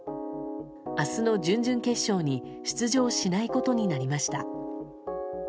明日の準々決勝に出場しないことになりました。